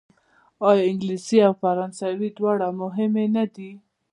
آیا انګلیسي او فرانسوي دواړه مهمې نه دي؟